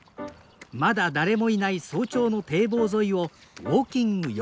まだ誰もいない早朝の堤防沿いをウォーキング４